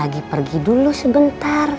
lagi pergi dulu sebentar